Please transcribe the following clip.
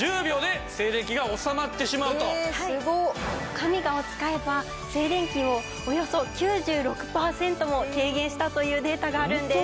ＫＡＭＩＧＡを使えば静電気をおよそ９６パーセントも軽減したというデータがあるんです。